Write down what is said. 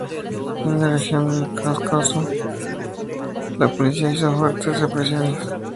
En la región del Cáucaso, la policía hizo fuertes represiones.